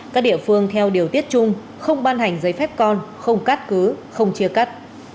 các địa phương theo điều tiết chung không ban hành giấy phép con không cắt cứ không chia cắt